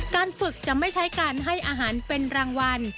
การฝึกจะไม่ใช้การให้อาหารเป็นรางวัล